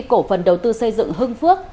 cổ phần đầu tư xây dựng hưng phước